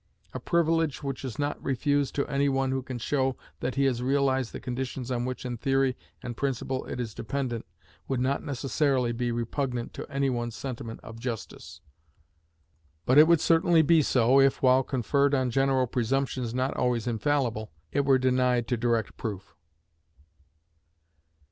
A privilege which is not refused to any one who can show that he has realized the conditions on which in theory and principle it is dependent, would not necessarily be repugnant to any one's sentiment of justice; but it would certainly be so if, while conferred on general presumptions not always infallible, it were denied to direct proof.